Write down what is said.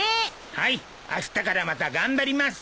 はいあしたからまた頑張ります。